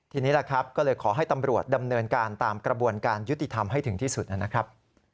ทีนี้แหละครับก็เลยขอให้ตำรวจดำเนินการตามกระบวนการยุติธรรมให้ถึงที่สุดนะครับ